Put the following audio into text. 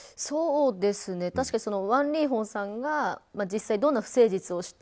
確かにワン・リーホンさんが実際、どんな不誠実をして。